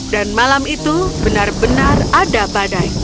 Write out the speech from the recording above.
dan malam itu benar benar ada badai